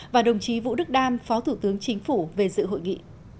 và đồng chí vũ đức đam phó thủ tướng chính phủ về dự hội nghị